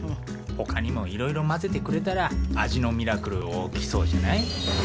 ほかにもいろいろ混ぜてくれたら味のミラクル起きそうじゃない？